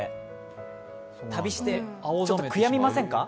旅して、ちょっと悔やみませんか？